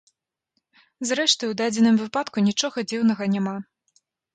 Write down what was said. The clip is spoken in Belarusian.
Зрэшты, у дадзеным выпадку нічога дзіўнага няма.